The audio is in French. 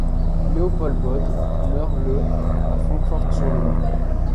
Leopold Bode meurt le à Francfort-sur-le-Main.